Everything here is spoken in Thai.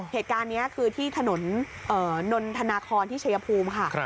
เหตุการณ์นี้คือที่ถนนนนทนาคอนที่ชัยภูมิค่ะ